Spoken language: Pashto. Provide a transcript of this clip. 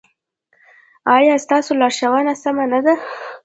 ایا ستاسو لارښوونه سمه نه ده؟